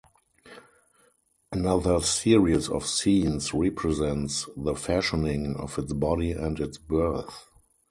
Another series of scenes represents the fashioning of its body and its birth.